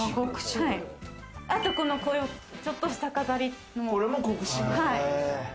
あと、このちょっとした飾りも。